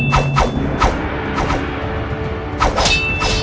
bawa suatu tanah air